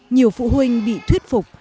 nhiều phụ huynh bị thuyết phục